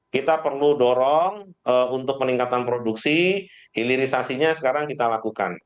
kita perlu dorong untuk peningkatan produksi hilirisasinya sekarang kita lakukan